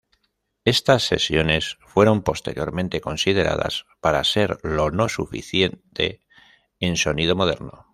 Estas sesiones fueron posteriormente consideradas para ser lo no suficiente en sonido moderno.